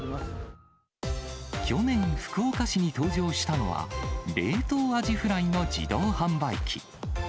去年、福岡市に登場したのは、冷凍アジフライの自動販売機。